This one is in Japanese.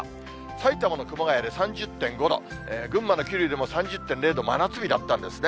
埼玉の熊谷で３０．５度、群馬の桐生でも３０．０度、真夏日だったんですね。